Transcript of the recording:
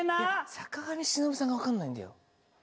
坂上忍さんが分かんないんだよ。